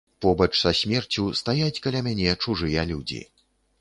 Побач са смерцю стаяць каля мяне чужыя людзі.